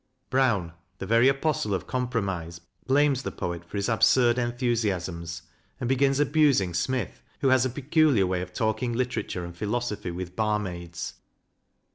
Brown, the very apostle of compromise, blames the poet for his absurd enthusiasms, and begins abusing Smith, who has a peculiar way of talking literature and phi losophy with barmaids.